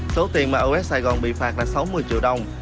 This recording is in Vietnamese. số tiền mà adres saigon bị phạt là sáu mươi triệu đồng